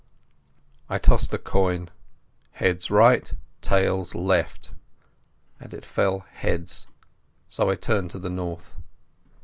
I tossed a coin—heads right, tails left—and it fell heads, so I turned to the north.